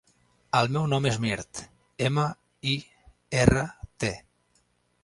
El meu nom és Mirt: ema, i, erra, te.